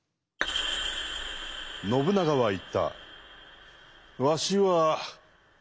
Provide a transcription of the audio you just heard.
信長は言った。